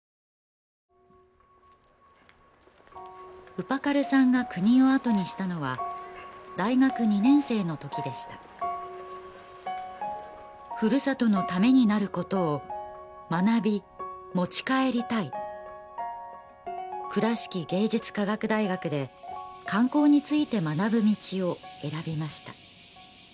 ウパカルさんが国をあとにしたのは大学２年生の時でしたふるさとのためになることを学び持ち帰りたい倉敷芸術科学大学で観光について学ぶ道を選びました